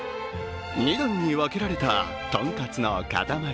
２段に分けられたとんかつの塊。